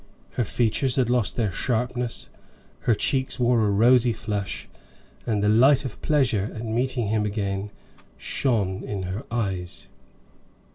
Her features had lost their sharpness, her cheeks wore a rosy flush, and the light of pleasure at meeting him again shone in her eyes.